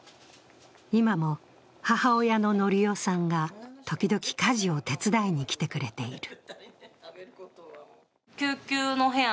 今も母親の典代さんがときどき家事を手伝いに来てくれている。